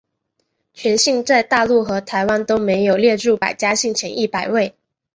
全姓在大陆和台湾都没有列入百家姓前一百位。